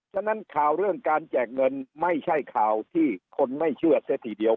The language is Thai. ฉะนั้นข่าวเรื่องการแจกเงินไม่ใช่ข่าวที่คนไม่เชื่อเสียทีเดียว